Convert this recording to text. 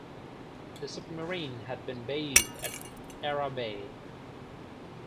The submarine had been based at Ara Bay.